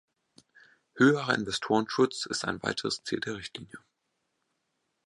Höherer Investorenschutz ist ein weiteres Ziel der Richtlinie.